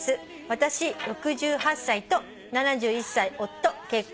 「私６８歳と７１歳夫結婚